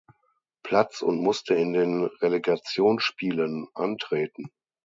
Platz und musste in den Relegationsspielen antreten.